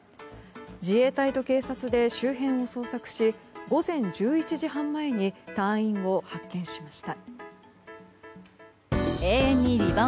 自衛隊と警察で周辺を捜索し午前１１時半前に隊員を発見しました。